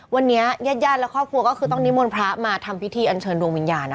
วันนี้ญาติญาติและครอบครัวก็คือต้องนิมนต์พระมาทำพิธีอันเชิญดวงวิญญาณนะคะ